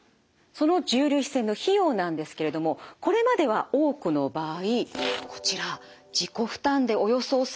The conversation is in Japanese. その重粒子線の費用なんですけれどもこれまでは多くの場合こちら自己負担でおよそ３００万円かかりました。